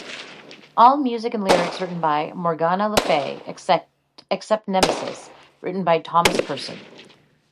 "All music and lyrics written by: Morgana Lefay...except "Nemesis" written by Thomas Persson.